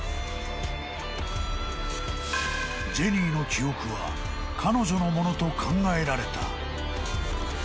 ［ジェニーの記憶は彼女のものと考えられた］